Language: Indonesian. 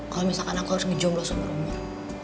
kalo misalkan aku harus ngejomblos umur umur